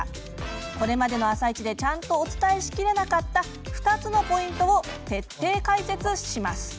これまでの「あさイチ」でちゃんとお伝えし切れなかった２つのポイントを徹底解説します。